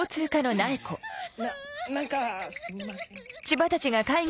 な何かすみません。